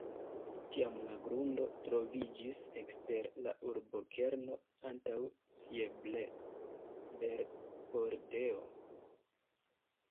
Tiam la grundo troviĝis ekster la urbokerno antaŭ Siebleber-pordeo.